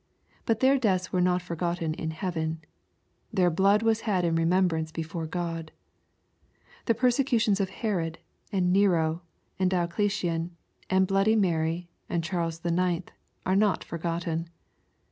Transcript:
But their deaths were not forgotten in heaven. Their blood was had in remembrance before God. The persecutions of Herod, and Nero, and Diocletian, and bloody Mary, and Charles IX., are not forgotten.